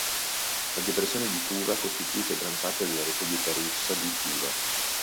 La depressione di Tuva costituisce gran parte della Repubblica russa di Tuva.